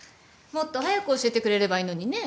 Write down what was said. もっと早く教えてくれればいいのにね。